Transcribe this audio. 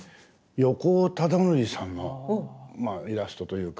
横尾忠則さんのイラストというか。